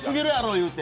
言うて。